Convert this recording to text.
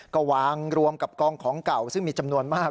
ก็วางรวมกับกองของเก่าซึ่งมีจำนวนมาก